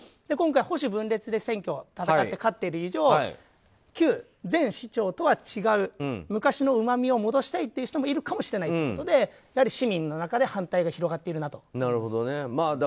今回、保守分裂で選挙を戦って勝っている以上前市長とは違う昔のうまみを戻したいという人もいるかもしれないということで市民の中で反対が広がっているなと思います。